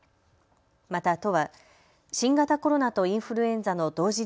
また都は新型コロナとインフルエンザの同時